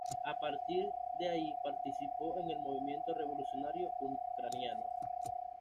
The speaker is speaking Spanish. A partir de ahí participó en el movimiento revolucionario ucraniano.